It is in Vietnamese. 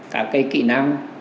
cả cái kỹ năng